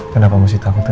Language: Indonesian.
kenapa masih takutin